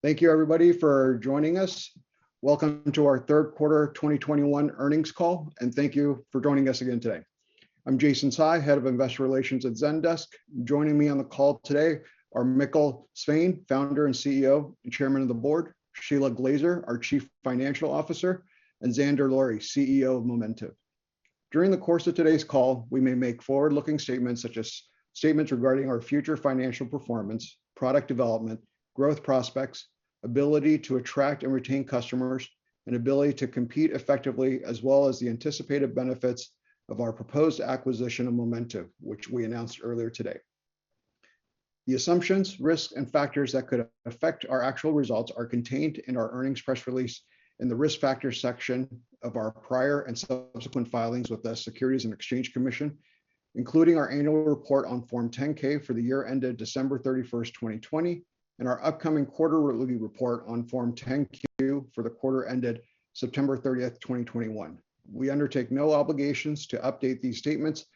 Thank you everybody for joining us. Welcome to our Third Quarter 2021 Earnings Call, and thank you for joining us again today. I'm Jason Tsai, Head of Investor Relations at Zendesk. Joining me on the call today are Mikkel Svane, Founder and CEO and Chairman of the Board, Shelagh Glaser, our Chief Financial Officer, and Zander Lurie, CEO of Momentive. During the course of today's call, we may make forward-looking statements such as statements regarding our future financial performance, product development, growth prospects, ability to attract and retain customers, and ability to compete effectively, as well as the anticipated benefits of our proposed acquisition of Momentive, which we announced earlier today. The assumptions, risks, and factors that could affect our actual results are contained in our earnings press release in the Risk Factors section of our prior and subsequent filings with the Securities and Exchange Commission, including our annual report on Form 10-K for the year ended December 31st, 2020, and our upcoming quarterly report on Form 10-Q for the quarter ended September 30th, 2021. We undertake no obligations to update these statements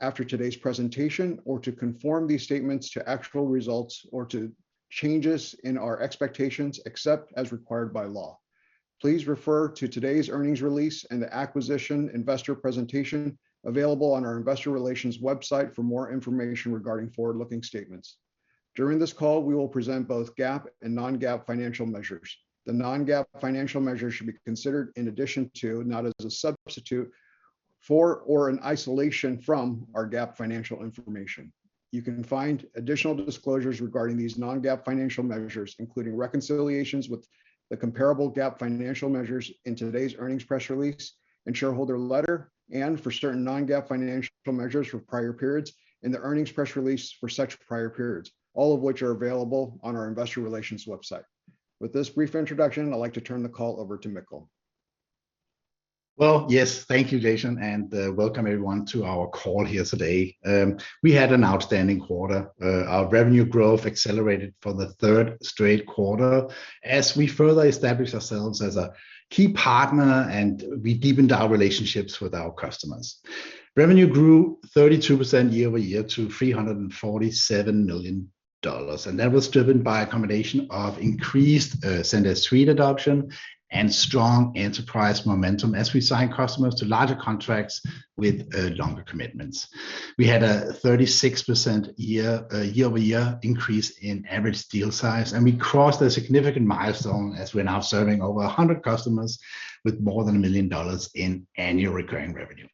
after today's presentation or to conform these statements to actual results or to changes in our expectations, except as required by law. Please refer to today's earnings release and the acquisition investor presentation available on our investor relations website for more information regarding forward-looking statements. During this call, we will present both GAAP and non-GAAP financial measures. The non-GAAP financial measures should be considered in addition to, not as a substitute for or an isolation from, our GAAP financial information. You can find additional disclosures regarding these non-GAAP financial measures, including reconciliations with the comparable GAAP financial measures in today's earnings press release and shareholder letter, and for certain non-GAAP financial measures for prior periods in the earnings press release for such prior periods, all of which are available on our investor relations website. With this brief introduction, I'd like to turn the call over to Mikkel. Well, yes, thank you, Jason, and welcome everyone to our call here today. We had an outstanding quarter. Our revenue growth accelerated for the third straight quarter as we further established ourselves as a key partner and we deepened our relationships with our customers. Revenue grew 32% year-over-year to $347 million, and that was driven by a combination of increased Zendesk Suite adoption and strong enterprise momentum as we signed customers to larger contracts with longer commitments. We had a 36% year-over-year increase in average deal size, and we crossed a significant milestone as we're now serving over 100 customers with more than $1 million in annual recurring revenue.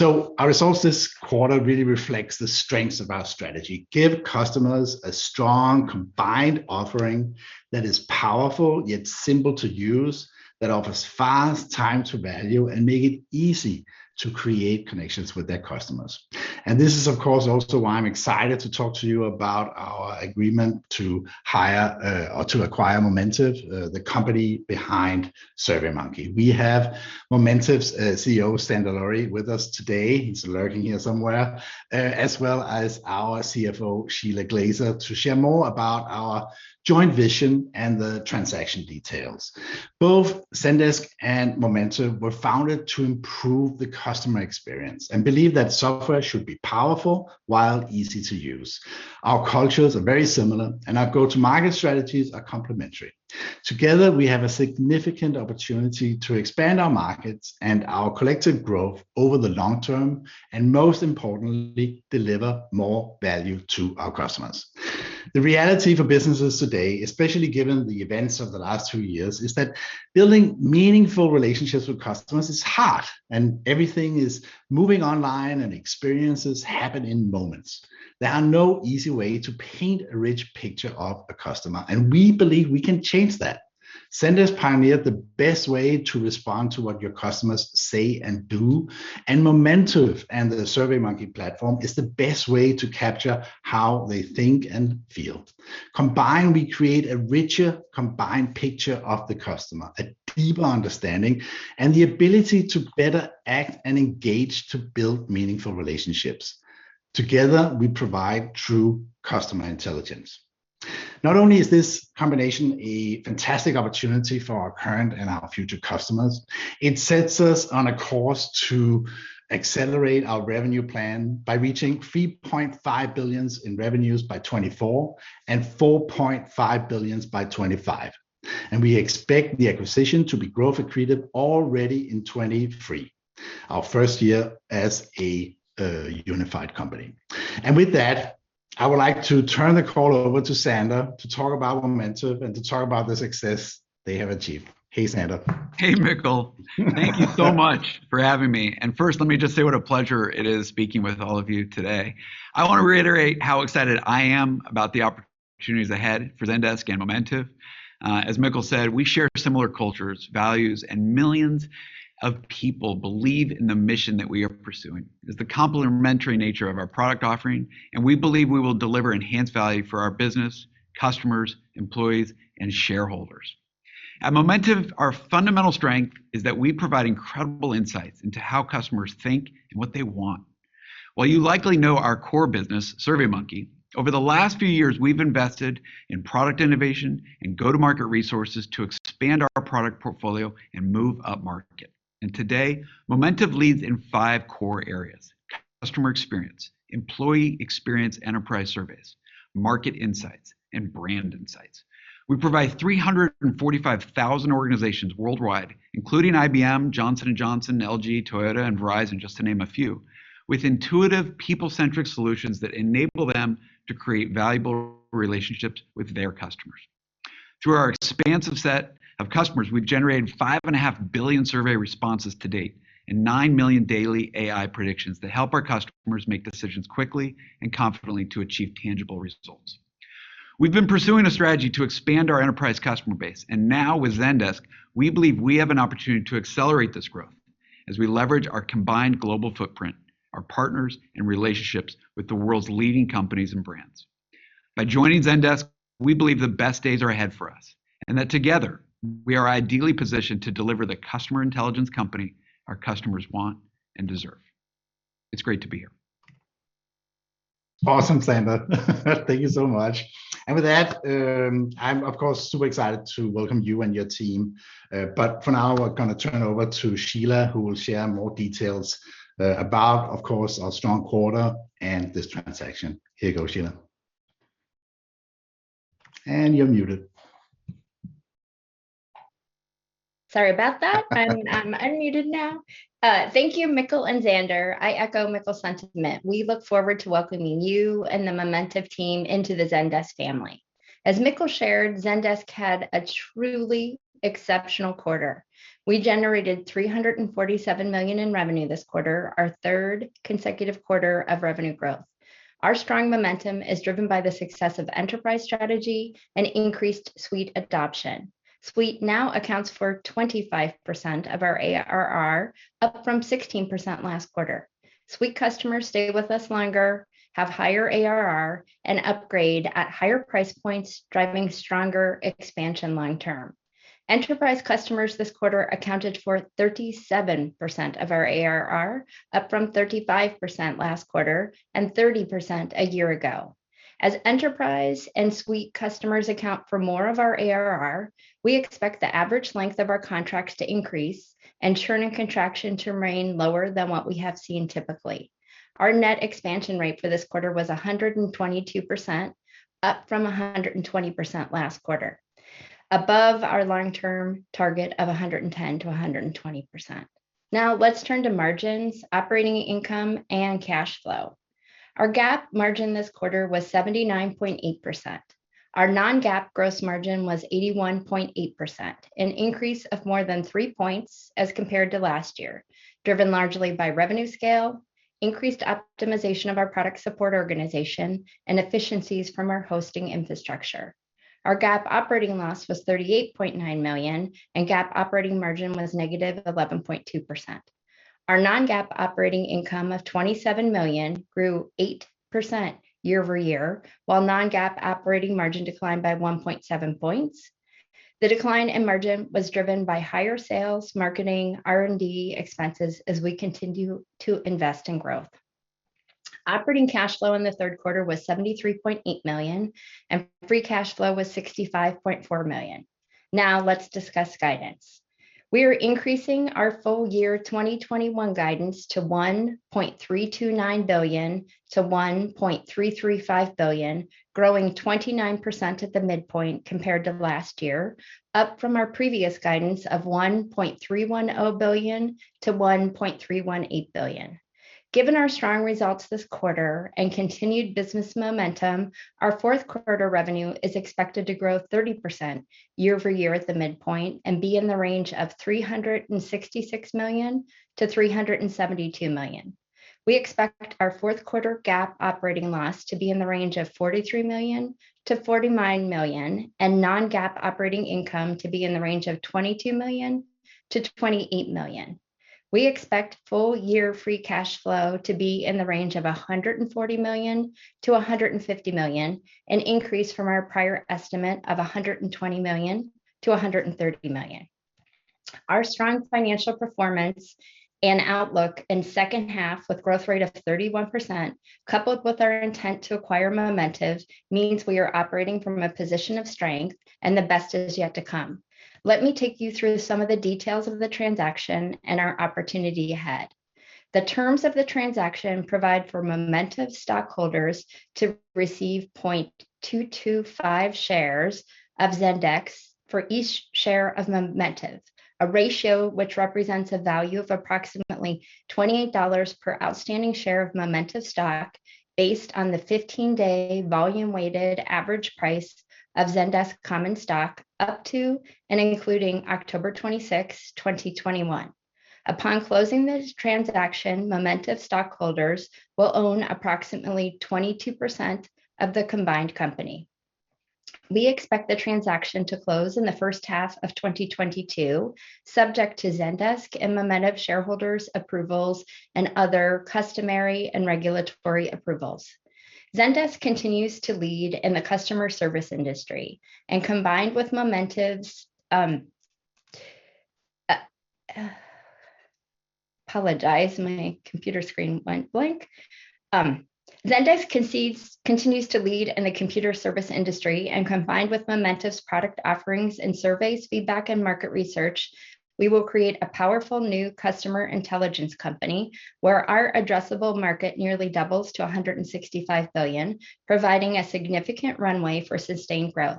Our results this quarter really reflects the strengths of our strategy. Give customers a strong combined offering that is powerful yet simple to use, that offers fast time to value, and make it easy to create connections with their customers. This is of course also why I'm excited to talk to you about our agreement to acquire Momentive, the company behind SurveyMonkey. We have Momentive's CEO, Zander Lurie, with us today. He's lurking here somewhere, as well as our CFO, Shelagh Glaser, to share more about our joint vision and the transaction details. Both Zendesk and Momentive were founded to improve the customer experience and believe that software should be powerful while easy to use. Our cultures are very similar and our go-to-market strategies are complementary. Together, we have a significant opportunity to expand our markets and our collective growth over the long term, and most importantly, deliver more value to our customers. The reality for businesses today, especially given the events of the last two years, is that building meaningful relationships with customers is hard, and everything is moving online and experiences happen in moments. There are no easy way to paint a rich picture of a customer, and we believe we can change that. Zendesk pioneered the best way to respond to what your customers say and do, and Momentive and the SurveyMonkey platform is the best way to capture how they think and feel. Combined, we create a richer combined picture of the customer, a deeper understanding, and the ability to better act and engage to build meaningful relationships. Together, we provide true customer intelligence. Not only is this combination a fantastic opportunity for our current and our future customers, it sets us on a course to accelerate our revenue plan by reaching $3.5 billion in revenues by 2024 and $4.5 billion by 2025. We expect the acquisition to be growth accretive already in 2023, our first year as a unified company. With that, I would like to turn the call over to Zander to talk about Momentive and to talk about the success they have achieved. Hey, Zander. Hey, Mikkel. Thank you so much for having me. First, let me just say what a pleasure it is speaking with all of you today. I want to reiterate how excited I am about the opportunities ahead for Zendesk and Momentive. As Mikkel said, we share similar cultures, values, and millions of people believe in the mission that we are pursuing. It's the complementary nature of our product offering, and we believe we will deliver enhanced value for our business, customers, employees and shareholders. At Momentive, our fundamental strength is that we provide incredible insights into how customers think and what they want. While you likely know our core business, SurveyMonkey, over the last few years, we've invested in product innovation and go-to-market resources to expand our product portfolio and move upmarket. Today, Momentive leads in five core areas, customer experience, employee experience, enterprise surveys, market insights, and brand insights. We provide 345,000 organizations worldwide, including IBM, Johnson & Johnson, LG, Toyota, and Verizon, just to name a few, with intuitive people-centric solutions that enable them to create valuable relationships with their customers. Through our expansive set of customers, we've generated 5.5 billion survey responses to date and 9 million daily AI predictions that help our customers make decisions quickly and confidently to achieve tangible results. We've been pursuing a strategy to expand our enterprise customer base, and now with Zendesk, we believe we have an opportunity to accelerate this growth as we leverage our combined global footprint, our partners, and relationships with the world's leading companies and brands. By joining Zendesk, we believe the best days are ahead for us, and that together we are ideally positioned to deliver the customer intelligence company our customers want and deserve. It's great to be here. Awesome, Zander. Thank you so much. With that, I'm of course super excited to welcome you and your team. For now I'm gonna turn it over to Shelagh, who will share more details about, of course, our strong quarter and this transaction. Here you go, Shelagh. You're muted. Sorry about that. I'm unmuted now. Thank you, Mikkel and Zander. I echo Mikkel's sentiment. We look forward to welcoming you and the Momentive team into the Zendesk family. As Mikkel shared, Zendesk had a truly exceptional quarter. We generated $347 million in revenue this quarter, our third consecutive quarter of revenue growth. Our strong momentum is driven by the success of enterprise strategy and increased Suite adoption. Suite now accounts for 25% of our ARR, up from 16% last quarter. Suite customers stay with us longer, have higher ARR, and upgrade at higher price points, driving stronger expansion long term. Enterprise customers this quarter accounted for 37% of our ARR, up from 35% last quarter and 30% a year ago. As Enterprise and Suite customers account for more of our ARR, we expect the average length of our contracts to increase and churn and contraction to remain lower than what we have seen typically. Our net expansion rate for this quarter was 122%, up from 120% last quarter, above our long-term target of 110%-120%. Now let's turn to margins, operating income, and cash flow. Our GAAP margin this quarter was 79.8%. Our non-GAAP gross margin was 81.8%, an increase of more than 3 points as compared to last year, driven largely by revenue scale, increased optimization of our product support organization, and efficiencies from our hosting infrastructure. Our GAAP operating loss was $38.9 million, and GAAP operating margin was -11.2%. Our non-GAAP operating income of $27 million grew 8% year-over-year, while non-GAAP operating margin declined by 1.7 points. The decline in margin was driven by higher sales, marketing, R&D expenses as we continue to invest in growth. Operating cash flow in the third quarter was $73.8 million, and free cash flow was $65.4 million. Now let's discuss guidance. We are increasing our full year 2021 guidance to $1.329 billion-$1.335 billion, growing 29% at the midpoint compared to last year, up from our previous guidance of $1.31 billion-$1.318 billion. Given our strong results this quarter and continued business momentum, our fourth quarter revenue is expected to grow 30% year-over-year at the midpoint and be in the range of $366 million-$372 million. We expect our fourth quarter GAAP operating loss to be in the range of $43 million-$49 million, and non-GAAP operating income to be in the range of $22 million-$28 million. We expect full year free cash flow to be in the range of $140 million-$150 million, an increase from our prior estimate of $120 million-$130 million. Our strong financial performance and outlook in second half with growth rate of 31%, coupled with our intent to acquire Momentive, means we are operating from a position of strength and the best is yet to come. Let me take you through some of the details of the transaction and our opportunity ahead. The terms of the transaction provide for Momentive stockholders to receive 0.225 shares of Zendesk for each share of Momentive, a ratio which represents a value of approximately $28 per outstanding share of Momentive stock based on the 15-day volume weighted average price of Zendesk common stock up to and including October 26, 2021. Upon closing this transaction, Momentive stockholders will own approximately 22% of the combined company. We expect the transaction to close in the first half of 2022, subject to Zendesk and Momentive shareholders' approvals and other customary and regulatory approvals. Zendesk continues to lead in the customer service industry, and combined with Momentive's product offerings and surveys, feedback, and market research, we will create a powerful new customer intelligence company where our addressable market nearly doubles to $165 billion, providing a significant runway for sustained growth.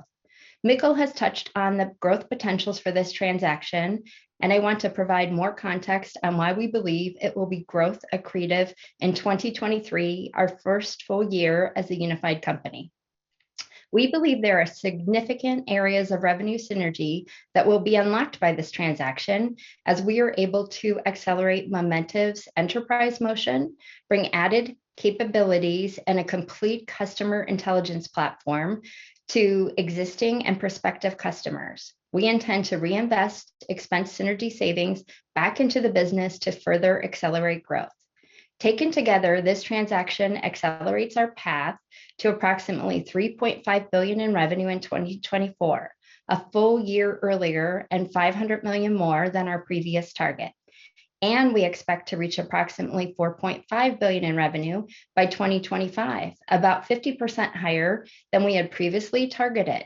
Mikkel has touched on the growth potentials for this transaction, and I want to provide more context on why we believe it will be growth accretive in 2023, our first full year as a unified company. We believe there are significant areas of revenue synergy that will be unlocked by this transaction as we are able to accelerate Momentive's enterprise motion, bring added capabilities, and a complete customer intelligence platform to existing and prospective customers. We intend to reinvest expense synergy savings back into the business to further accelerate growth. Taken together, this transaction accelerates our path to approximately $3.5 billion in revenue in 2024, a full year earlier and $500 million more than our previous target. We expect to reach approximately $4.5 billion in revenue by 2025, about 50% higher than we had previously targeted.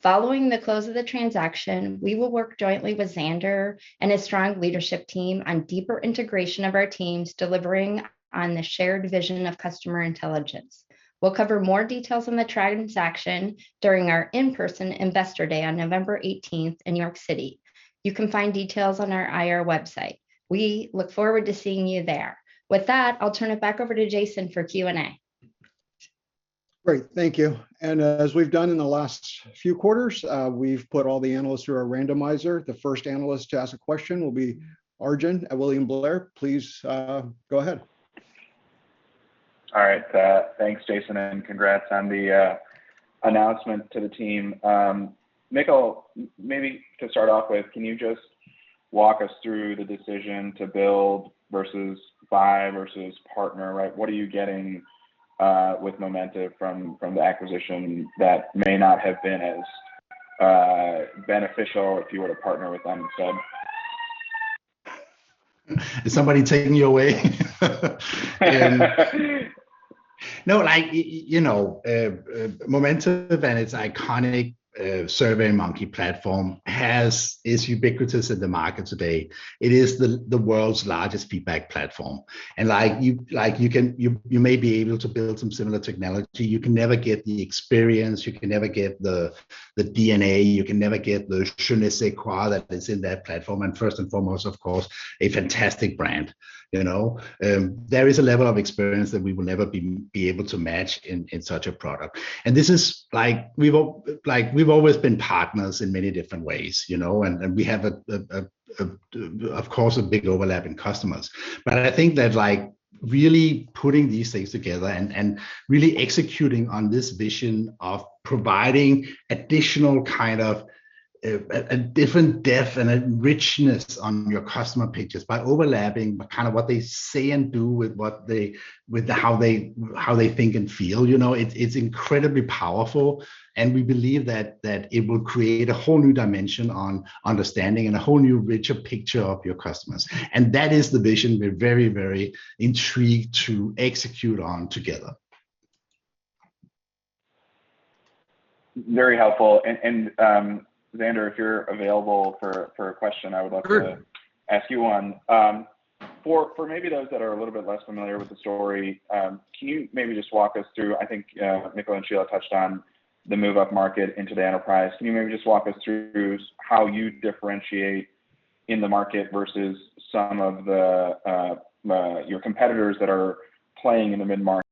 Following the close of the transaction, we will work jointly with Zander and his strong leadership team on deeper integration of our teams, delivering on the shared vision of customer intelligence. We'll cover more details on the transaction during our in-person Investor Day on November 18th in New York City. You can find details on our IR website. We look forward to seeing you there. With that, I'll turn it back over to Jason for Q&A. Great, thank you. As we've done in the last few quarters, we've put all the analysts through our randomizer. The first analyst to ask a question will be Arjun at William Blair. Please, go ahead. All right. Thanks Jason, and congrats on the announcement to the team. Mikkel, maybe to start off with, can you just walk us through the decision to build versus buy versus partner, right? What are you getting with Momentive from the acquisition that may not have been as beneficial if you were to partner with them instead? Is somebody taking you away? No, like, you know, Momentive and its iconic SurveyMonkey platform is ubiquitous in the market today. It is the world's largest feedback platform. Like, you may be able to build some similar technology, you can never get the experience, you can never get the DNA, you can never get the je ne sais quoi that is in that platform, and first and foremost, of course, a fantastic brand, you know? There is a level of experience that we will never be able to match in such a product. Like, we've always been partners in many different ways, you know? We have, of course, a big overlap in customers. I think that, like, really putting these things together and really executing on this vision of providing additional kind of a different depth and a richness on your customer pictures by overlapping kind of what they say and do with how they think and feel, you know? It's incredibly powerful, and we believe that it will create a whole new dimension on understanding and a whole new, richer picture of your customers. That is the vision we're very intrigued to execute on together. Very helpful. Zander, if you're available for a question, I would love to- Sure ask you one. For maybe those that are a little bit less familiar with the story, can you maybe just walk us through, I think, Mikkel and Shelagh touched on the move up market into the enterprise. Can you maybe just walk us through how you differentiate in the market versus some of your competitors that are playing in the mid-market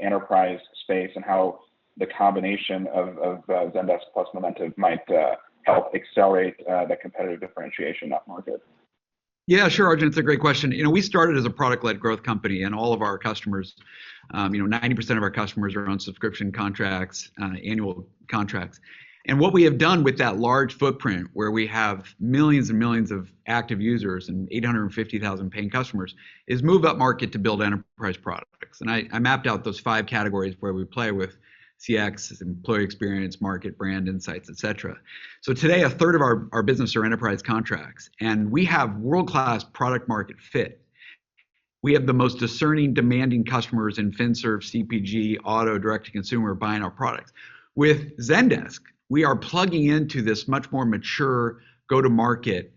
enterprise space, and how the combination of Zendesk plus Momentive might help accelerate the competitive differentiation in that market? Yeah, sure, Arjun. It's a great question. You know, we started as a product-led growth company, and all of our customers, you know, 90% of our customers are on subscription contracts, annual contracts. What we have done with that large footprint where we have millions and millions of active users and 850,000 paying customers, is move up market to build enterprise products. I mapped out those five categories where we play with CX, employee experience, market brand, insights, et cetera. Today, a 1/3 of our business are enterprise contracts, and we have world-class product market fit. We have the most discerning, demanding customers in Finserv, CPG, auto, direct to consumer buying our products. With Zendesk, we are plugging into this much more mature go-to-market,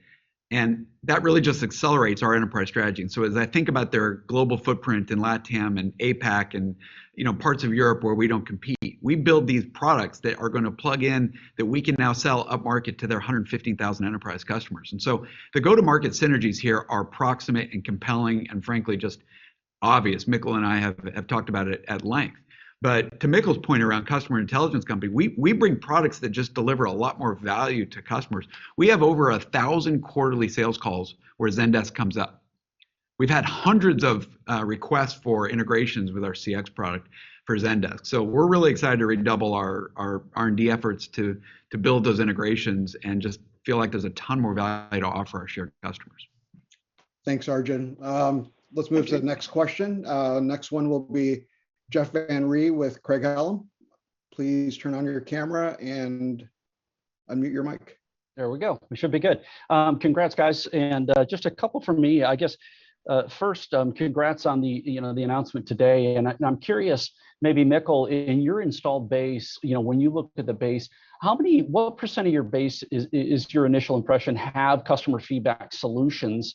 and that really just accelerates our enterprise strategy. As I think about their global footprint in LATAM and APAC and, you know, parts of Europe where we don't compete, we build these products that are gonna plug in that we can now sell up market to their 150,000 enterprise customers. The go-to-market synergies here are approximate and compelling and, frankly, just obvious. Mikkel and I have talked about it at length. To Mikkel's point around customer intelligence company, we bring products that just deliver a lot more value to customers. We have over 1,000 quarterly sales calls where Zendesk comes up. We've had hundreds of requests for integrations with our CX product for Zendesk. We're really excited to redouble our R&D efforts to build those integrations and just feel like there's a ton more value to offer our shared customers. Thanks, Arjun. Let's move to the next question. Next one will be Jeff Van Rhee with Craig-Hallum. Please turn on your camera and unmute your mic. There we go. We should be good. Congrats guys, and just a couple from me. I guess, first, congrats on the, you know, the announcement today, and I'm curious maybe Mikkel, in your installed base, you know, when you look at the base, how many what percent of your base is your initial impression have customer feedback solutions?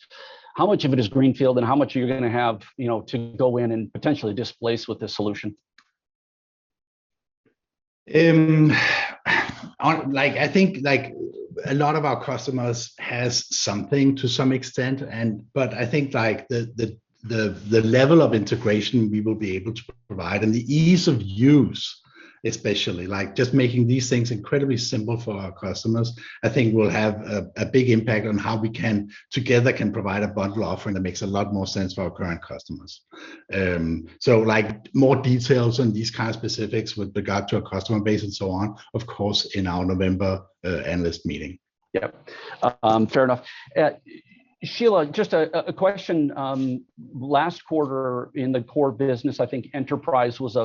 How much of it is greenfield and how much are you gonna have, you know, to go in and potentially displace with this solution? Like, I think, like, a lot of our customers has something to some extent, and but I think, like, the level of integration we will be able to provide and the ease of use especially, like, just making these things incredibly simple for our customers, I think will have a big impact on how we can, together, can provide a bundle offering that makes a lot more sense for our current customers. Like more details on these kind of specifics with regard to our customer base and so on, of course, in our November analyst meeting. Yep. Fair enough. Shelagh, just a question. Last quarter in the core business, I think enterprise was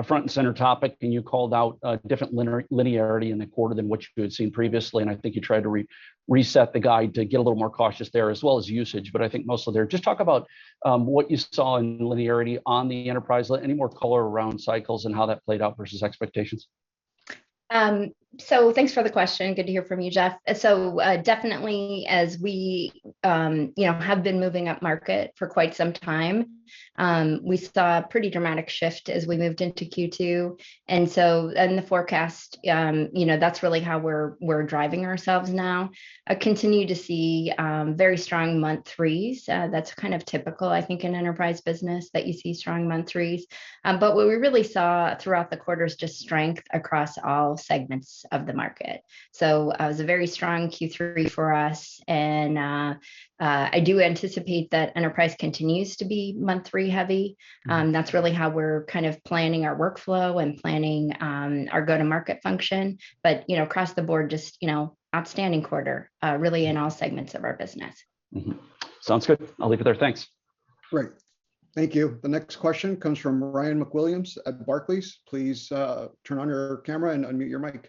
a front and center topic, and you called out a different linearity in the quarter than what you had seen previously, and I think you tried to reset the guide to get a little more cautious there as well as usage, but I think mostly there. Just talk about what you saw in linearity on the enterprise. Any more color around cycles and how that played out versus expectations? Thanks for the question. Good to hear from you, Jeff. Definitely as we, you know, have been moving up market for quite some time, we saw a pretty dramatic shift as we moved into Q2. In the forecast, you know, that's really how we're driving ourselves now. I continue to see very strong month threes. That's kind of typical, I think, in enterprise business that you see strong month threes. What we really saw throughout the quarter is just strength across all segments of the market. It was a very strong Q3 for us, and I do anticipate that enterprise continues to be month three heavy. That's really how we're kind of planning our workflow and planning our go-to-market function. You know, across the board, just, you know, outstanding quarter, really in all segments of our business. Sounds good. I'll leave it there. Thanks. Great. Thank you. The next question comes from Ryan MacWilliams at Barclays. Please, turn on your camera and unmute your mic.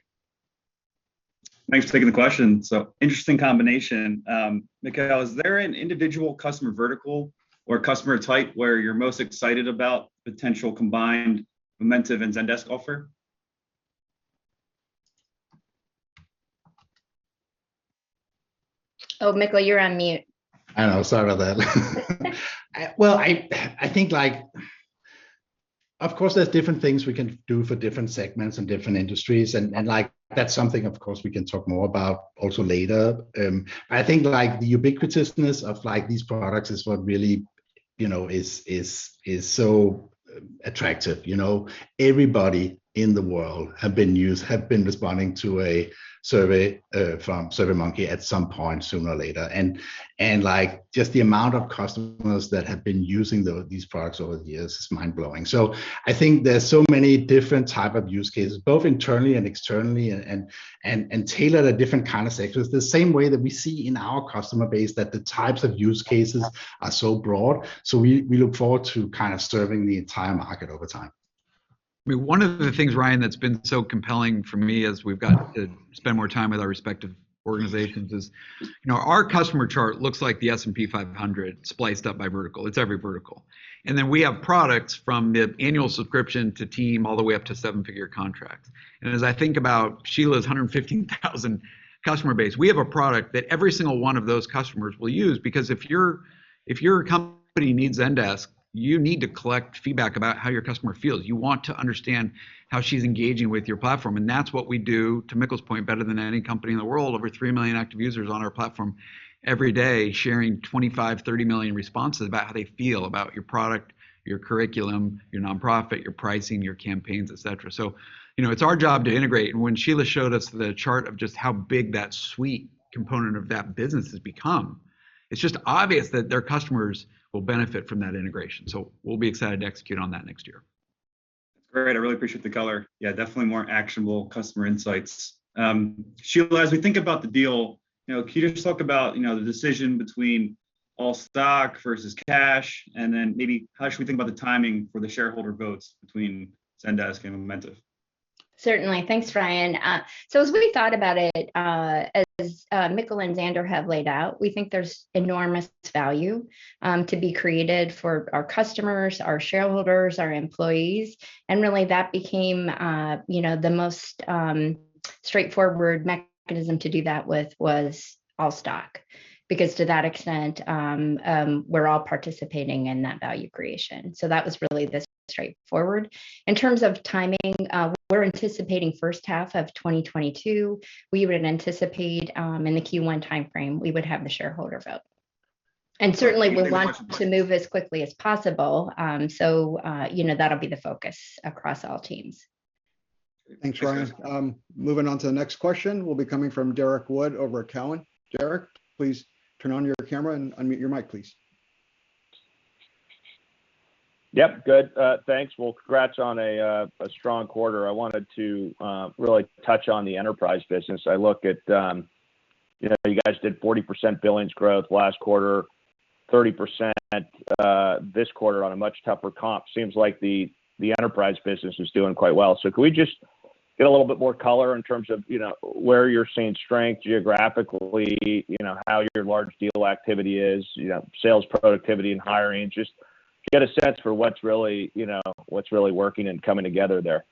Thanks for taking the question. Interesting combination. Mikkel, is there an individual customer vertical or customer type where you're most excited about potential combined Momentive and Zendesk offer? Oh, Mikkel, you're on mute. I know. Sorry about that. Well, I think, like, of course there's different things we can do for different segments and different industries and, like, that's something of course we can talk more about also later. I think, like, the ubiquitousness of, like, these products is what really, you know, is so attractive. You know, everybody in the world have been responding to a survey from SurveyMonkey at some point sooner or later. Like, just the amount of customers that have been using these products over the years is mind-blowing. I think there's so many different type of use cases, both internally and externally and tailored at different kind of sectors, the same way that we see in our customer base that the types of use cases are so broad. We look forward to kind of serving the entire market over time. I mean, one of the things, Ryan, that's been so compelling for me as we've gotten to spend more time with our respective organizations is, you know, our customer chart looks like the S&P 500 spliced up by vertical. It's every vertical. Then we have products from the annual subscription to team, all the way up to seven-figure contracts. As I think about Shelagh's 115,000 customer base, we have a product that every single one of those customers will use. Because if your company needs Zendesk, you need to collect feedback about how your customer feels. You want to understand how she's engaging with your platform, and that's what we do, to Mikkel's point, better than any company in the world. Over 3 million active users on our platform every day sharing 25-30 million responses about how they feel about your product, your curriculum, your nonprofit, your pricing, your campaigns, et cetera. You know, it's our job to integrate. When Shelagh showed us the chart of just how big that suite component of that business has become, it's just obvious that their customers will benefit from that integration. We'll be excited to execute on that next year. That's great. I really appreciate the color. Yeah, definitely more actionable customer insights. Shelagh, as we think about the deal, you know, can you just talk about, you know, the decision between all stock versus cash? Then maybe how should we think about the timing for the shareholder votes between Zendesk and Momentive? Certainly. Thanks, Ryan. So as we thought about it, as Mikkel and Zander have laid out, we think there's enormous value to be created for our customers, our shareholders, our employees, and really that became you know the most straightforward mechanism to do that with was all stock. Because to that extent, we're all participating in that value creation. So that was really the straightforward. In terms of timing, we're anticipating first half of 2022. We would anticipate in the Q1 timeframe we would have the shareholder vote. Certainly we want to move as quickly as possible, so you know that'll be the focus across all teams. Thanks, Ryan. Moving on to the next question will be coming from Derrick Wood over at Cowen. Derek, please turn on your camera and unmute your mic, please. Yep. Good. Thanks. Well, congrats on a strong quarter. I wanted to really touch on the enterprise business. I look at, you know, you guys did 40% billings growth last quarter, 30% this quarter on a much tougher comp. Seems like the enterprise business is doing quite well. So can we just get a little bit more color in terms of, you know, where you're seeing strength geographically, you know, how your large deal activity is, you know, sales productivity and hiring? Just get a sense for what's really, you know, what's really working and coming together there.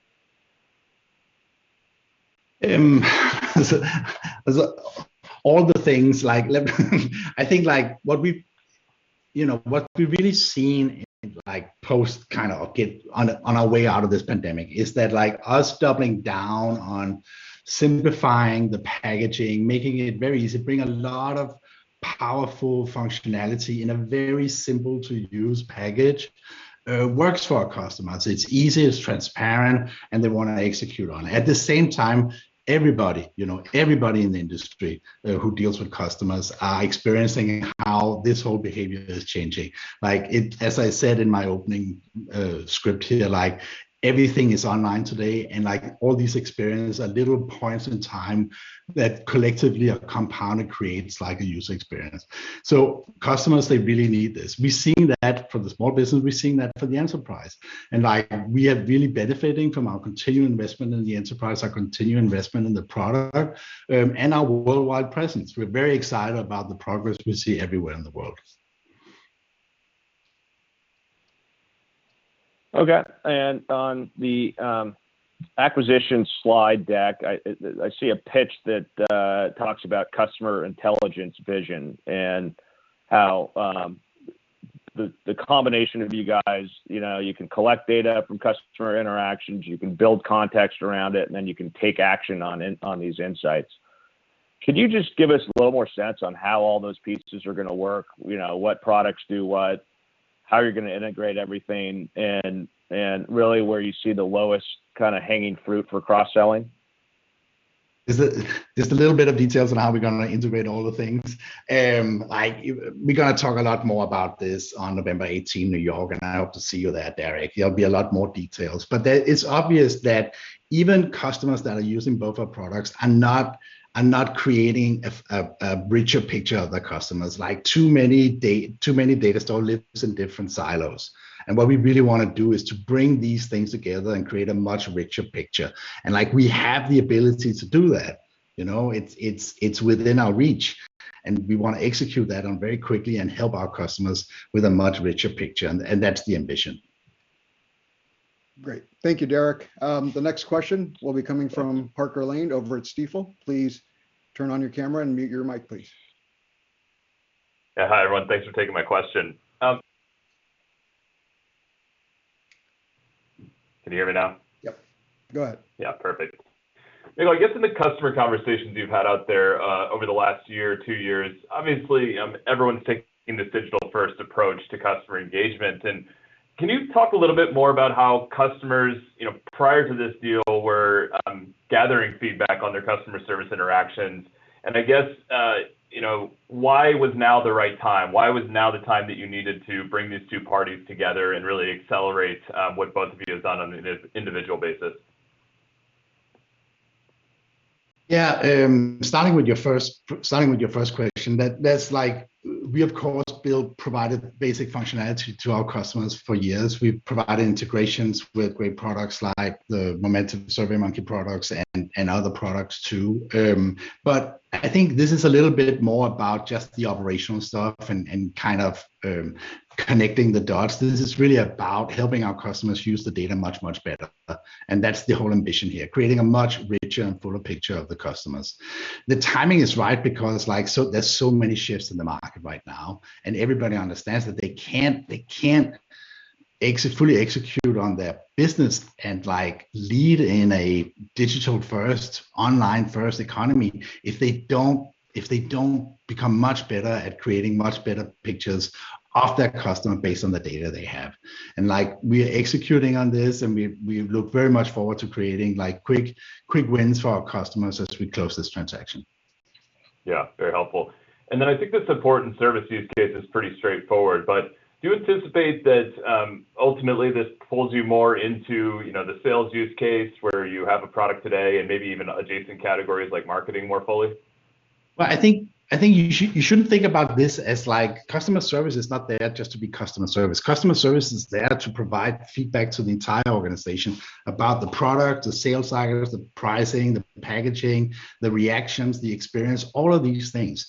All the things like I think what we, you know, what we've really seen in like post-COVID, or gettin' on our way out of this pandemic is that like us doubling down on simplifying the packaging, making it very easy, bring a lot of powerful functionality in a very simple to use package works for our customers. It's easy, it's transparent, and they wanna execute on it. At the same time, everybody, you know, in the industry who deals with customers are experiencing how this whole behavior is changing. Like as I said in my opening script here, like everything is online today, and like all these experiences are little points in time that collectively are compounded creates like a user experience. Customers, they really need this. We're seeing that for the small business, we're seeing that for the enterprise. Like, we are really benefiting from our continued investment in the enterprise, our continued investment in the product, and our worldwide presence. We're very excited about the progress we see everywhere in the world. Okay. On the acquisition slide deck, I see a pitch that talks about customer intelligence vision and how the combination of you guys, you know, you can collect data from customer interactions, you can build context around it, and then you can take action on these insights. Could you just give us a little more sense on how all those pieces are gonna work? You know, what products do what, how you're gonna integrate everything, and really where you see the low-hanging fruit for cross-selling? Is it just a little bit of details on how we're gonna integrate all the things? We're gonna talk a lot more about this on November eighteenth, New York, and I hope to see you there, Derek. There'll be a lot more details. It's obvious that even customers that are using both our products are not creating a richer picture of the customers. Like too many data still lives in different silos, and what we really want to do is to bring these things together and create a much richer picture. Like, we have the ability to do that, you know. It's within our reach, and we want to execute that on very quickly and help our customers with a much richer picture. That's the ambition. Great. Thank you, Derek. The next question will be coming from Parker Lane over at Stifel. Please turn on your camera and mute your mic, please. Yeah, hi everyone. Thanks for taking my question. Can you hear me now? Yep. Go ahead. Yeah. Perfect. Mikkel, I guess in the customer conversations you've had out there, over the last year or two years, obviously, everyone's taking this digital first approach to customer engagement. Can you talk a little bit more about how customers, you know, prior to this deal were, gathering feedback on their customer service interactions? I guess, you know, why was now the right time? Why was now the time that you needed to bring these two parties together and really accelerate, what both of you have done on an individual basis? Yeah. Starting with your first question, that there's like, we of course provided basic functionality to our customers for years. We provided integrations with great products like the Momentive SurveyMonkey products and other products too. But I think this is a little bit more about just the operational stuff and kind of connecting the dots. This is really about helping our customers use the data much better, and that's the whole ambition here, creating a much richer and fuller picture of the customers. The timing is right because like, there's so many shifts in the market right now, and everybody understands that they can't fully execute on their business and like lead in a digital first, online first economy if they don't become much better at creating much better pictures of their customer based on the data they have. We are executing on this, and we look very much forward to creating like quick wins for our customers as we close this transaction. Yeah. Very helpful. I think the support and service use case is pretty straightforward, but do you anticipate that ultimately this pulls you more into, you know, the sales use case where you have a product today and maybe even adjacent categories like marketing more fully? Well, I think you shouldn't think about this as like customer service is not there just to be customer service. Customer service is there to provide feedback to the entire organization about the product, the sales cycles, the pricing, the packaging, the reactions, the experience, all of these things.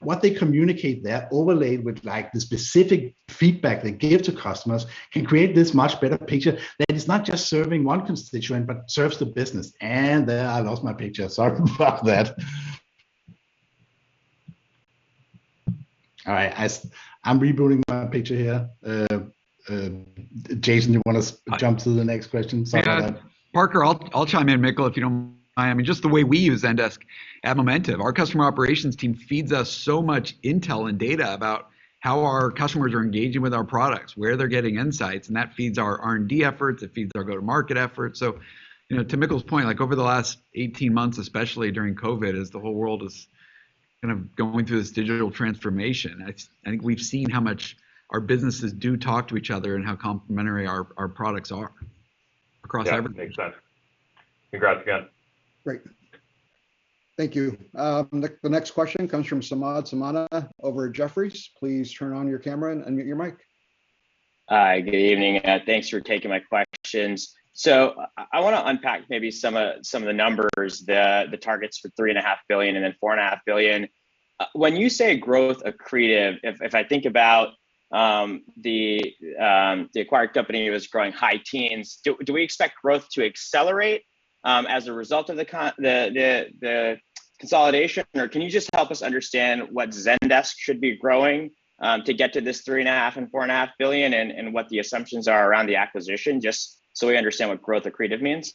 What they communicate there overlaid with like the specific feedback they give to customers can create this much better picture that is not just serving one constituent, but serves the business. I lost my picture. Sorry about that. All right. I'm rebuilding my picture here. Jason, you wanna jump to the next question? Sorry about that. Yeah. Parker, I'll chime in, Mikkel, if you don't mind. I mean, just the way we use Zendesk at Momentive, our customer operations team feeds us so much intel and data about how our customers are engaging with our products, where they're getting insights, and that feeds our R&D efforts, it feeds our go-to-market efforts. You know, to Mikkel's point, like over the last 18 months, especially during COVID, as the whole world is kind of going through this digital transformation, it's, I think we've seen how much our businesses do talk to each other and how complementary our products are. Yeah, makes sense. Congrats again. Great. Thank you. The next question comes from Samad Samana over at Jefferies. Please turn on your camera and unmute your mic. Hi, good evening, and thanks for taking my questions. I wanna unpack maybe some of the numbers, the targets for $3.5 billion and then $4.5 billion. When you say growth accretive, if I think about the acquired company was growing high-teens%, do we expect growth to accelerate as a result of the consolidation? Or can you just help us understand what Zendesk should be growing to get to this $3.5 and $4.5 billion, and what the assumptions are around the acquisition, just so we understand what growth accretive means?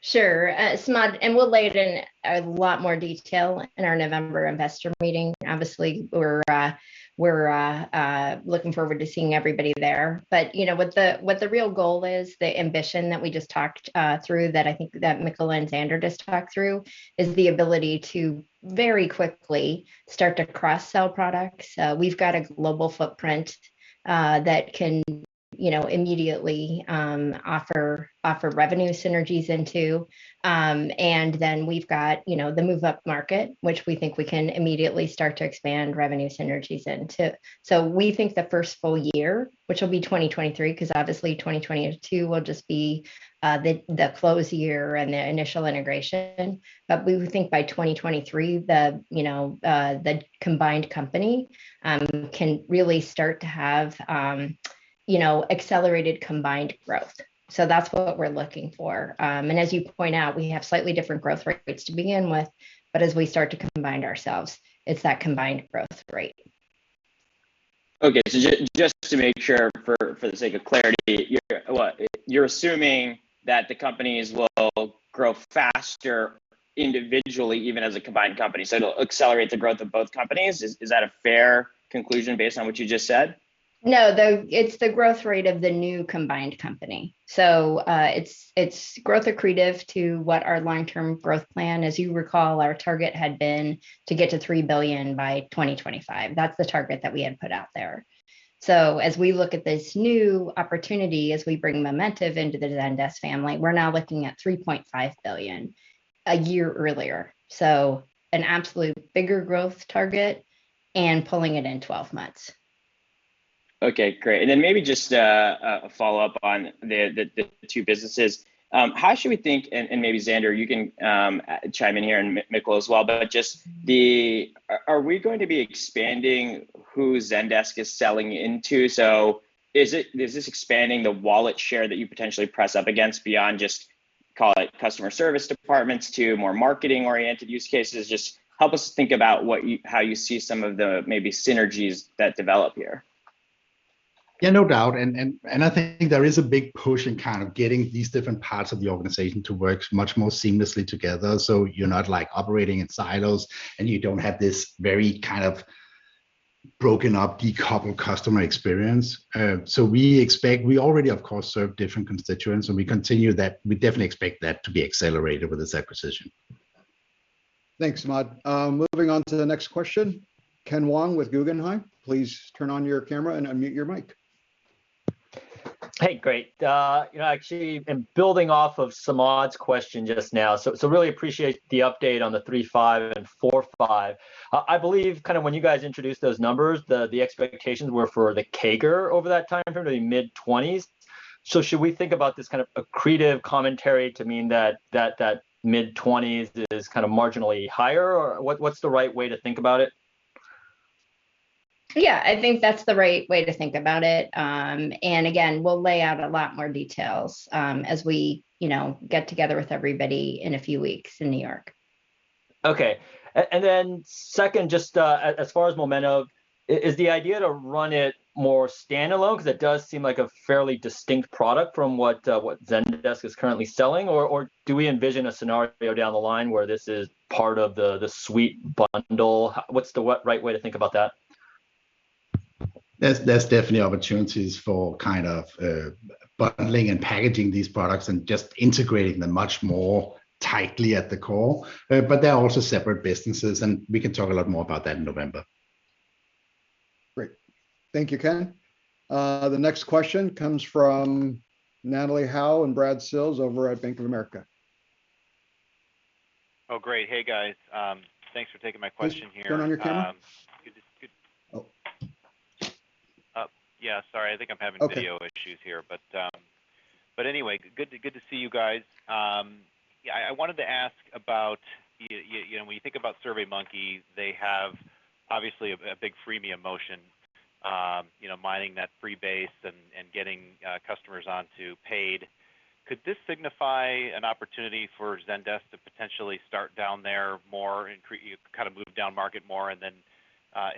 Sure, Samad, and we'll lay it out in a lot more detail in our November investor meeting. Obviously, we're looking forward to seeing everybody there. You know, what the real goal is, the ambition that we just talked through, that I think that Mikkel and Zander just talked through, is the ability to very quickly start to cross-sell products. We've got a global footprint that can, you know, immediately offer revenue synergies into. We've got, you know, the move-up market, which we think we can immediately start to expand revenue synergies into. We think the first full year, which will be 2023, 'cause obviously 2022 will just be the close year and the initial integration. We would think by 2023, you know, the combined company, you know, accelerated combined growth. That's what we're looking for. As you point out, we have slightly different growth rates to begin with, but as we start to combine ourselves, it's that combined growth rate. Okay, just to make sure, for the sake of clarity, you're what? You're assuming that the companies will grow faster individually, even as a combined company. It'll accelerate the growth of both companies. Is that a fair conclusion based on what you just said? No. It's the growth rate of the new combined company. It's growth accretive to what our long-term growth plan. As you recall, our target had been to get to $3 billion by 2025. That's the target that we had put out there. As we look at this new opportunity, as we bring Momentive into the Zendesk family, we're now looking at $3.5 billion a year earlier. An absolute bigger growth target and pulling it in 12 months. Okay, great. Maybe just a follow-up on the two businesses. How should we think, and maybe Zander you can chime in here, and Mikkel as well, but just, are we going to be expanding who Zendesk is selling into? Is it this expanding the wallet share that you potentially press up against beyond just, call it customer service departments to more marketing-oriented use cases? Just help us think about what you, how you see some of the maybe synergies that develop here. Yeah, no doubt. I think there is a big push in kind of getting these different parts of the organization to work much more seamlessly together, so you're not, like, operating in silos, and you don't have this very kind of broken up, decoupled customer experience. We already, of course, serve different constituents, and we continue that. We definitely expect that to be accelerated with this acquisition. Thanks, Samad. Moving on to the next question. Kenneth Wong with Guggenheim, please turn on your camera and unmute your mic. Hey, great. You know, actually, in building off of Samad's question just now, so really appreciate the update on the 3-5 and 4-5. I believe kind of when you guys introduced those numbers, the expectations were for the CAGR over that time frame to be mid-20s. Should we think about this kind of accretive commentary to mean that mid-20s is kind of marginally higher? Or what's the right way to think about it? Yeah, I think that's the right way to think about it. Again, we'll lay out a lot more details, as we, you know, get together with everybody in a few weeks in New York. Okay. Second, just as far as Momentive, is the idea to run it more standalone? 'Cause it does seem like a fairly distinct product from what Zendesk is currently selling. Or do we envision a scenario down the line where this is part of the suite bundle? What's the right way to think about that? There's definitely opportunities for kind of bundling and packaging these products and just integrating them much more tightly at the core. They are also separate businesses, and we can talk a lot more about that in November. Great. Thank you, Ken. The next question comes from Natalie Howe and Brad Sills over at Bank of America. Oh, great. Hey, guys. Thanks for taking my question here. Please turn on your camera. Could you. Oh. Yeah, sorry, I think I'm having. Okay video issues here. Anyway, good to see you guys. Yeah, I wanted to ask about you know, when you think about SurveyMonkey, they have obviously a big freemium motion, you know, mining that free base and getting customers onto paid. Could this signify an opportunity for Zendesk to potentially start down there more, kind of move down market more and then,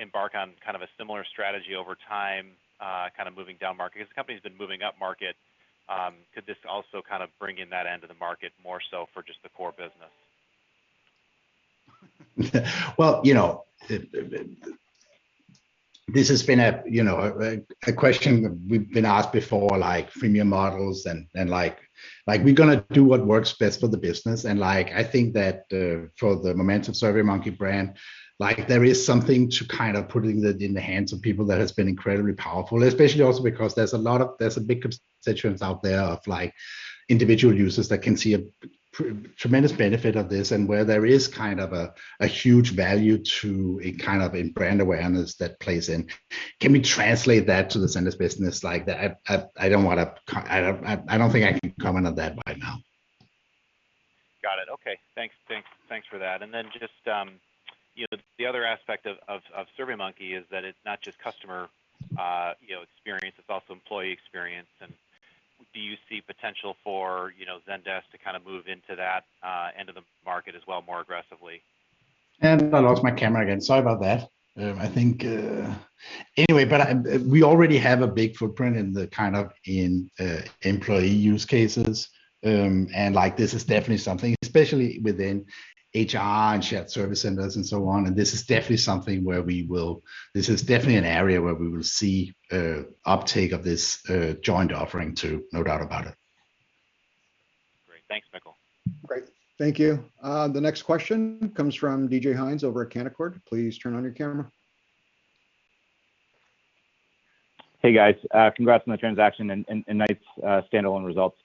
embark on kind of a similar strategy over time, kind of moving down market? 'Cause the company's been moving up market. Could this also kind of bring in that end of the market more so for just the core business? Well, you know, this has been a, you know, a question that we've been asked before, like freemium models and like we're gonna do what works best for the business. Like I think that for the Momentive SurveyMonkey brand, like there is something to kind of putting it in the hands of people that has been incredibly powerful. Especially also because there's a lot of. There's a big constituency out there of like individual users that can see a tremendous benefit of this, and where there is kind of a huge value to a kind of and brand awareness that plays in. Can we translate that to the Zendesk business? Like I don't think I can comment on that right now. Got it. Okay. Thanks for that. Then just, you know, the other aspect of SurveyMonkey is that it's not just customer, you know, experience, it's also employee experience. Do you see potential for, you know, Zendesk to kind of move into that end of the market as well more aggressively? I lost my camera again. Sorry about that. We already have a big footprint in the kind of employee use cases. Like this is definitely something, especially within HR and shared service centers and so on. This is definitely an area where we will see uptake of this joint offering too. No doubt about it. Great. Thanks, Mikkel. Great. Thank you. The next question comes from David Hynes over at Canaccord. Please turn on your camera. Hey, guys. Congrats on the transaction and nice standalone results.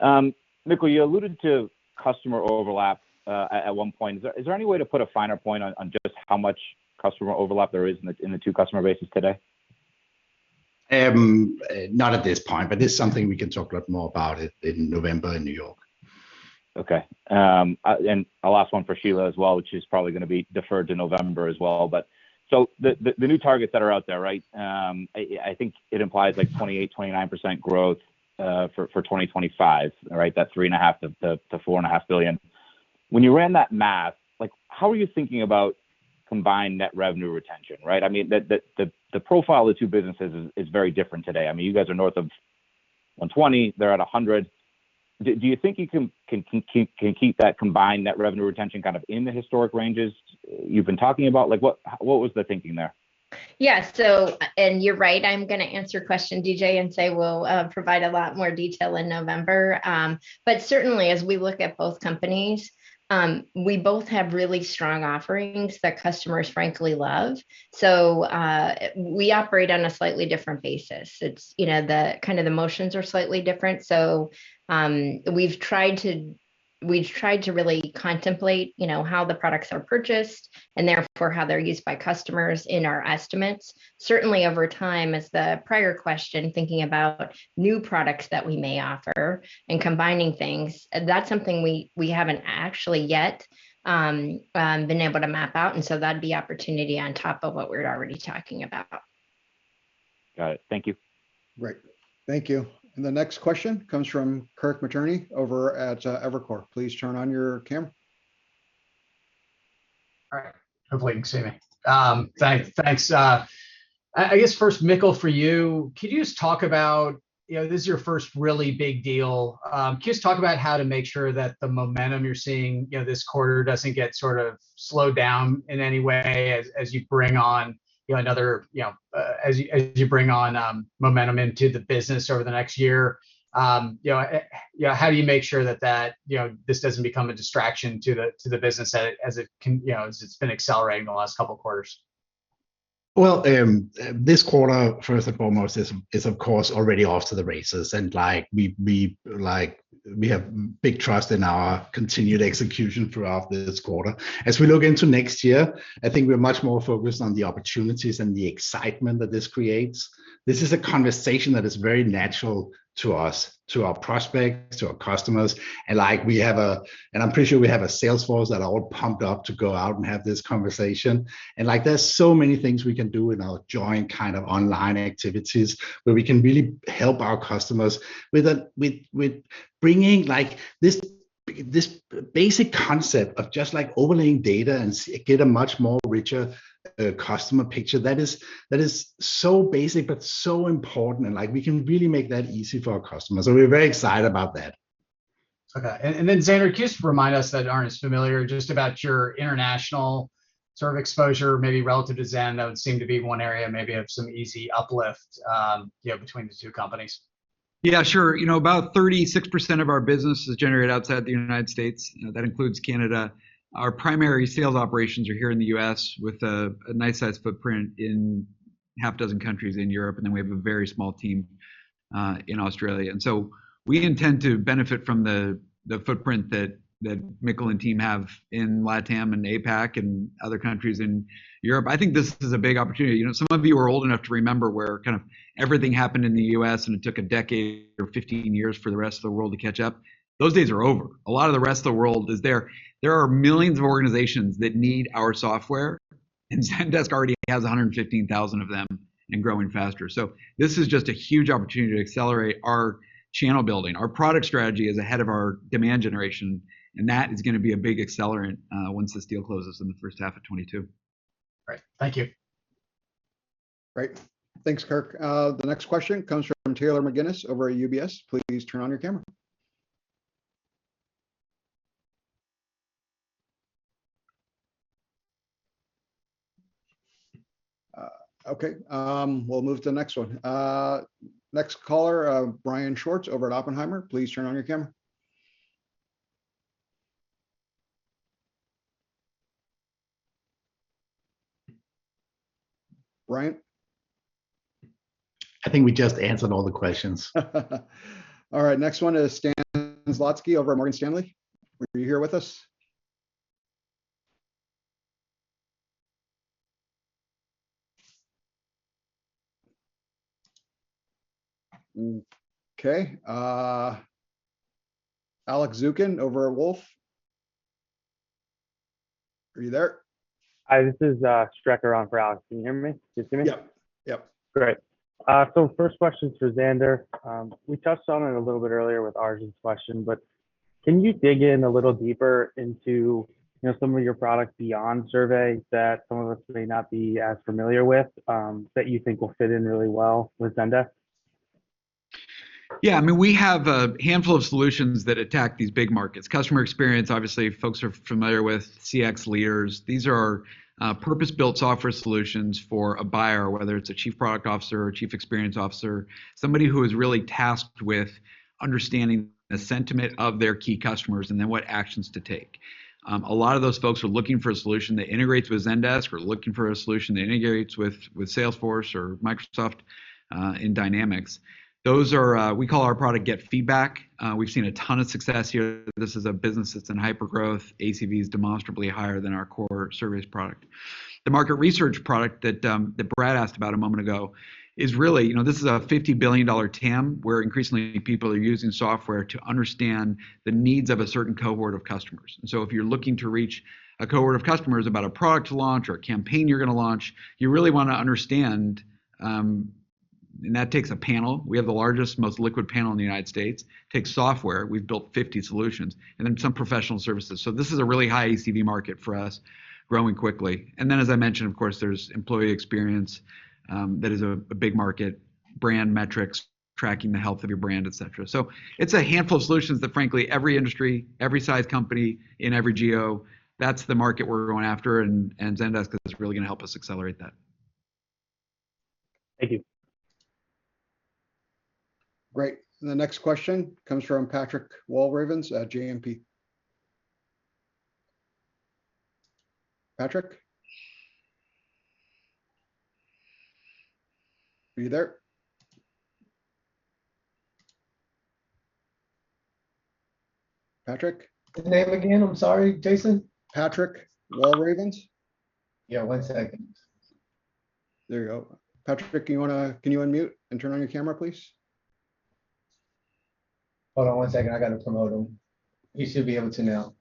Mikkel, you alluded to customer overlap at one point. Is there any way to put a finer point on just how much customer overlap there is in the two customer bases today? Not at this point, but this is something we can talk a lot more about it in November in New York. Okay. And a last one for Shelagh as well, which is probably gonna be deferred to November as well. The new targets that are out there, right? I think it implies like 28%-29% growth for 2025, right? That $3.5 billion-$4.5 billion. When you ran that math, like how are you thinking about combined net revenue retention, right? I mean, the profile of the two businesses is very different today. I mean, you guys are north of 120%, they're at 100%. Do you think you can keep that combined net revenue retention kind of in the historic ranges you've been talking about? Like what was the thinking there? Yeah. You're right, I'm gonna answer your question, DJ, and say we'll provide a lot more detail in November. Certainly as we look at both companies, we both have really strong offerings that customers frankly love. We operate on a slightly different basis. It's, you know, the kind of the motions are slightly different. We've tried to really contemplate, you know, how the products are purchased, and therefore how they're used by customers in our estimates. Certainly over time, as the prior question, thinking about new products that we may offer and combining things, that's something we haven't actually yet been able to map out, and that'd be opportunity on top of what we're already talking about. Got it. Thank you. Great. Thank you. The next question comes from Kirk Materne over at Evercore. Please turn on your camera. All right. Hopefully you can see me. Thanks. I guess first, Mikkel, for you, could you just talk about, you know, this is your first really big deal. Can you just talk about how to make sure that the momentum you're seeing, you know, this quarter doesn't get sort of slowed down in any way as you bring on, you know, another, you know, as you bring on momentum into the business over the next year. You know, how do you make sure that that, you know, this doesn't become a distraction to the business as it can, you know, as it's been accelerating the last couple quarters? This quarter, first and foremost, is of course already off to the races. Like we have big trust in our continued execution throughout this quarter. As we look into next year, I think we're much more focused on the opportunities and the excitement that this creates. This is a conversation that is very natural to us, to our prospects, to our customers. I'm pretty sure we have a sales force that are all pumped up to go out and have this conversation. Like there's so many things we can do in our joint kind of online activities where we can really help our customers with bringing like this basic concept of just like overlaying data and get a much more richer customer picture that is so basic but so important, and like we can really make that easy for our customers, and we're very excited about that. Zander, can you just remind us that aren't as familiar just about your international sort of exposure, maybe relative to Zendesk, that would seem to be one area maybe of some easy uplift between the two companies. Yeah, sure. You know, about 36% of our business is generated outside the United States, you know, that includes Canada. Our primary sales operations are here in the U.S. with a nice size footprint in half dozen countries in Europe, and then we have a very small team in Australia. We intend to benefit from the footprint that Mikkel and team have in LATAM and APAC and other countries in Europe. I think this is a big opportunity. You know, some of you are old enough to remember where kind of everything happened in the U.S. and it took a decade or 15 years for the rest of the world to catch up. Those days are over. A lot of the rest of the world is there. There are millions of organizations that need our software, and Zendesk already has 115,000 of them and growing faster. This is just a huge opportunity to accelerate our channel building. Our product strategy is ahead of our demand generation, and that is gonna be a big accelerant, once this deal closes in the first half of 2022. Great. Thank you. Great. Thanks, Kirk. The next question comes from Taylor McGinnis over at UBS. Please turn on your camera. Okay. We'll move to the next one. Next caller, Brian Schwartz over at Oppenheimer. Please turn on your camera. Brian? I think we just answered all the questions. All right. Next one is Stan Zlotsky over at Morgan Stanley. Are you here with us? Okay. Alex Zukin over at Wolfe. Are you there? Hi, this is Strecker on for Alex. Can you hear me? Can you see me? Yep. Yep. Great. So first question's for Zander. We touched on it a little bit earlier with Arjun's question, but can you dig in a little deeper into, you know, some of your products beyond surveys that some of us may not be as familiar with, that you think will fit in really well with Zendesk? Yeah. I mean, we have a handful of solutions that attack these big markets. Customer experience, obviously folks are familiar with, CX leaders. These are purpose-built software solutions for a buyer, whether it's a chief product officer or chief experience officer, somebody who is really tasked with understanding the sentiment of their key customers and then what actions to take. A lot of those folks are looking for a solution that integrates with Zendesk. We're looking for a solution that integrates with Salesforce or Microsoft Dynamics. Those are. We call our product GetFeedback. We've seen a ton of success here. This is a business that's in hyper-growth. ACV is demonstrably higher than our core service product. The market research product that that Brad asked about a moment ago is really, you know, this is a $50 billion TAM where increasingly people are using software to understand the needs of a certain cohort of customers. If you're looking to reach a cohort of customers about a product launch or a campaign you're gonna launch, you really wanna understand, and that takes a panel. We have the largest, most liquid panel in the United States. It takes software. We've built 50 solutions, and then some professional services. This is a really high ACV market for us, growing quickly. Then as I mentioned, of course, there's employee experience, that is a big market, brand metrics, tracking the health of your brand, et cetera. It's a handful of solutions that frankly every industry, every size company in every geo. That's the market we're going after, and Zendesk is really gonna help us accelerate that. Thank you. Great. The next question comes from Patrick Walravens at JMP. Patrick? Are you there? Patrick? The name again, I'm sorry, Jason? Patrick Walravens. Yeah, one second. There you go. Patrick, can you unmute and turn on your camera, please? Hold on one second. I gotta promote him. He should be able to now.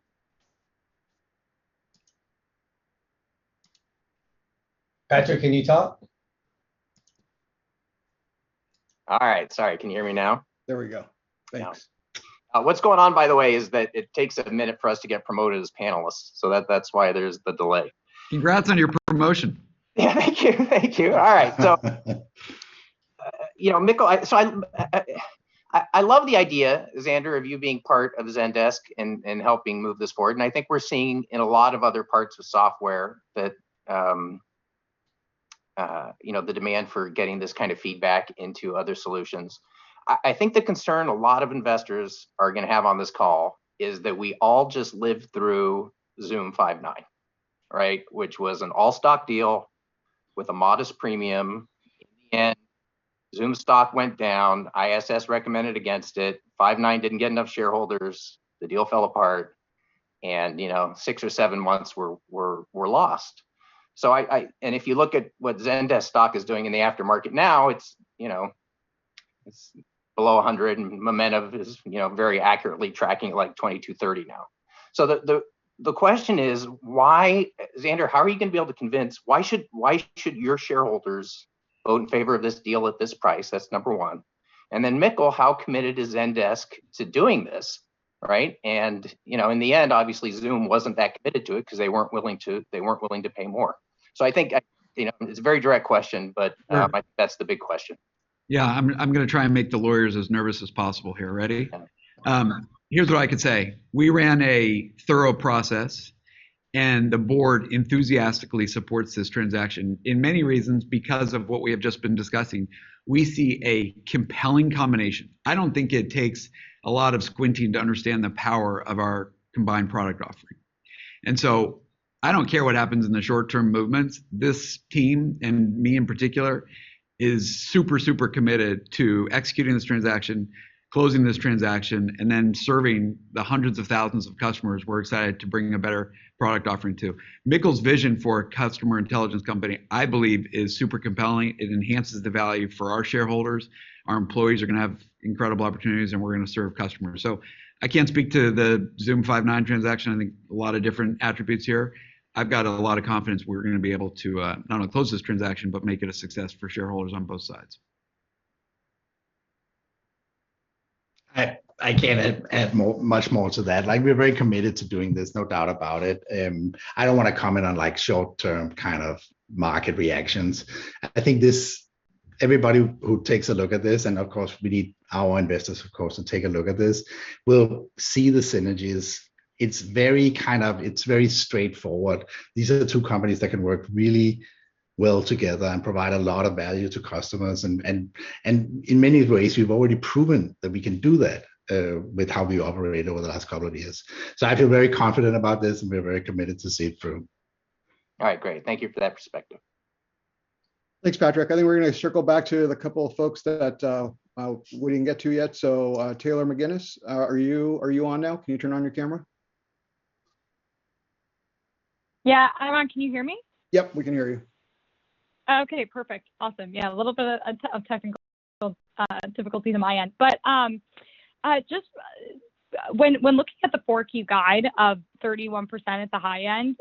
Patrick, can you talk? All right. Sorry. Can you hear me now? There we go. Thanks. Yeah. What's going on by the way is that it takes a minute for us to get promoted as panelists, so that's why there's the delay. Congrats on your promotion. Yeah. Thank you. All right. You know, Mikkel, I love the idea, Zander, of you being part of Zendesk and helping move this forward, and I think we're seeing in a lot of other parts of software that you know the demand for getting this kind of feedback into other solutions. I think the concern a lot of investors are gonna have on this call is that we all just lived through Zoom Five9, right? Which was an all-stock deal with a modest premium, and Zoom's stock went down, ISS recommended against it, Five9 didn't get enough shareholders, the deal fell apart and you know six or seven months were lost. I If you look at what Zendesk stock is doing in the aftermarket now, it's, you know, it's below $100 and Momentive is, you know, very accurately tracking at, like, $22.30 now. The question is why. Zander, how are you gonna be able to convince, why should your shareholders vote in favor of this deal at this price? That's number one. Mikkel, how committed is Zendesk to doing this, right? You know, in the end, obviously Zoom wasn't that committed to it 'cause they weren't willing to, they weren't willing to pay more. I think, you know, it's a very direct question, but Yeah I think that's the big question. Yeah. I'm gonna try and make the lawyers as nervous as possible here. Ready? Okay. Here's what I can say. We ran a thorough process, and the board enthusiastically supports this transaction for many reasons because of what we have just been discussing. We see a compelling combination. I don't think it takes a lot of squinting to understand the power of our combined product offering. I don't care what happens in the short-term movements, this team, and me in particular, is super committed to executing this transaction, closing this transaction, and then serving the hundreds of thousands of customers we're excited to bring a better product offering to. Mikkel's vision for a customer intelligence company, I believe, is super compelling. It enhances the value for our shareholders. Our employees are gonna have incredible opportunities, and we're gonna serve customers. I can't speak to the Zoom Five9 transaction. I think a lot of different attributes here. I've got a lot of confidence we're gonna be able to, not only close this transaction, but make it a success for shareholders on both sides. I can't add much more to that. Like, we're very committed to doing this, no doubt about it. I don't wanna comment on, like, short-term kind of market reactions. I think this Everybody who takes a look at this, and of course we need our investors, of course, to take a look at this, will see the synergies. It's very straightforward. These are the two companies that can work really well together and provide a lot of value to customers, and in many ways we've already proven that we can do that, with how we operate over the last couple of years. I feel very confident about this, and we're very committed to see it through. All right. Great. Thank you for that perspective. Thanks, Patrick. I think we're gonna circle back to the couple of folks that we didn't get to yet. Taylor McGinnis, are you on now? Can you turn on your camera? Yeah. I'm on. Can you hear me? Yep, we can hear you. Okay. Perfect. Awesome. Yeah, a little bit of technical difficulty to my end. Just when looking at the 4Q guide of 31% at the high end,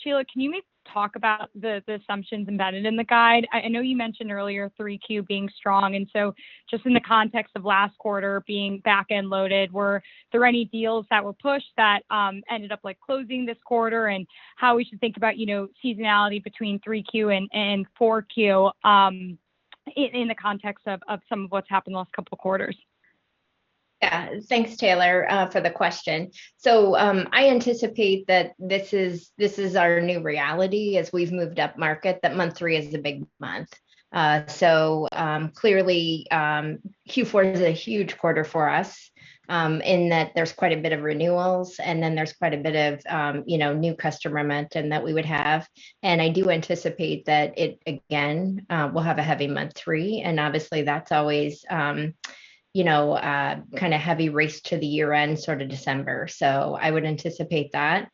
Shelagh, can you maybe talk about the assumptions embedded in the guide? I know you mentioned earlier 3Q being strong, and so just in the context of last quarter being back-end loaded, were there any deals that were pushed that ended up, like, closing this quarter, and how we should think about, you know, seasonality between 3Q and 4Q in the context of some of what's happened the last couple of quarters? Yeah. Thanks, Taylor, for the question. I anticipate that this is our new reality as we've moved up market, that month three is the big month. Clearly, Q4 is a huge quarter for us, in that there's quite a bit of renewals and then there's quite a bit of, you know, new customer momentum that we would have. I do anticipate that it, again, will have a heavy month three, and obviously that's always, you know, a kinda heavy race to the year end, sort of December. I would anticipate that.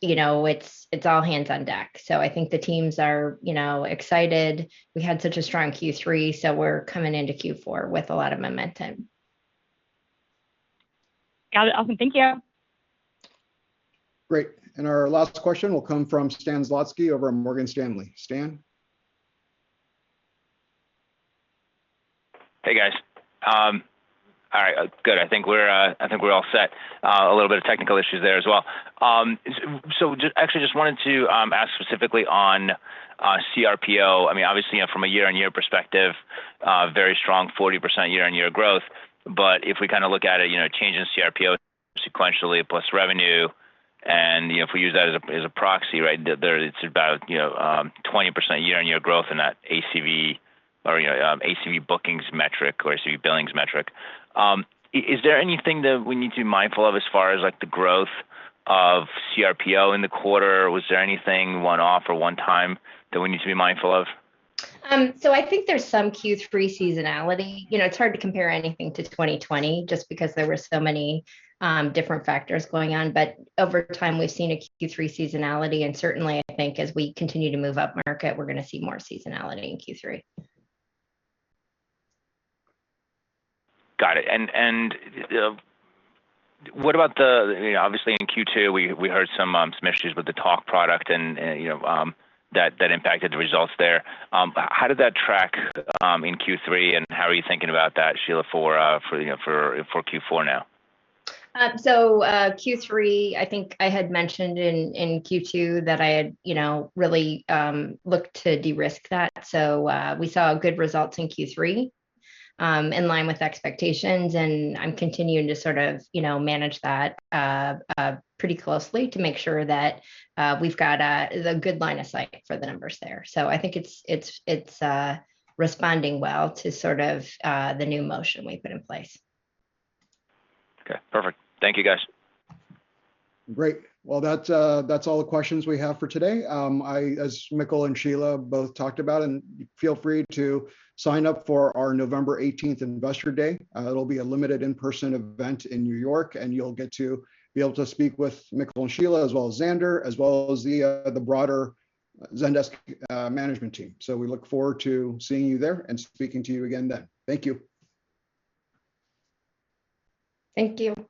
You know, it's all hands on deck. I think the teams are, you know, excited. We had such a strong Q3, so we're coming into Q4 with a lot of momentum. Got it. Awesome. Thank you. Great. Our last question will come from Stan Zlotsky over at Morgan Stanley. Stan? Hey, guys. All right. Good. I think we're all set. A little bit of technical issues there as well. Actually just wanted to ask specifically on CRPO. I mean, obviously, you know, from a year-on-year perspective, very strong 40% year-on-year growth. If we kinda look at it, you know, change in CRPO sequentially plus revenue and, you know, if we use that as a proxy, right, there it's about, you know, 20% year-on-year growth in that ACV or ACV bookings metric or ACV billings metric. Is there anything that we need to be mindful of as far as, like, the growth of CRPO in the quarter? Was there anything one-off or one-time that we need to be mindful of? I think there's some Q3 seasonality. You know, it's hard to compare anything to 2020, just because there were so many different factors going on. Over time we've seen a Q3 seasonality and certainly I think as we continue to move up market, we're gonna see more seasonality in Q3. Got it. What about? You know, obviously in Q2 we heard some issues with the Talk product and you know that impacted the results there. How did that track in Q3, and how are you thinking about that, Shelagh, for you know for Q4 now? Q3 I think I had mentioned in Q2 that I had you know really looked to de-risk that. We saw good results in Q3 in line with expectations, and I'm continuing to sort of you know manage that pretty closely to make sure that we've got a good line of sight for the numbers there. I think it's responding well to sort of the new motion we've put in place. Okay. Perfect. Thank you, guys. Great. Well, that's all the questions we have for today. As Mikkel and Shelagh both talked about, feel free to sign up for our November 18th Investor Day. It'll be a limited in-person event in New York, and you'll get to be able to speak with Mikkel and Shelagh as well as Zander, as well as the broader Zendesk management team. We look forward to seeing you there and speaking to you again then. Thank you. Thank you.